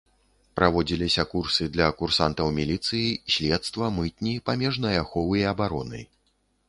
Праводзіліся курсы для курсантаў міліцыі, следства, мытні, памежнай аховы і абароны.